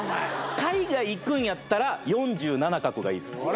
海外行くんやったら４７画がいいです。